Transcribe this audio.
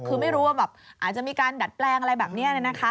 คือไม่รู้ว่าแบบอาจจะมีการดัดแปลงอะไรแบบนี้